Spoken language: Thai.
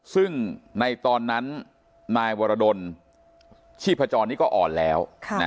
ซึ่งในตอนนั้นนายวรดลชีพจรนี้ก็อ่อนแล้ว